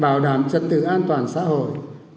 bảo đảm trật tự an toàn xã hội